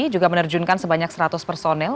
juga menerjunkan sebanyak seratus personel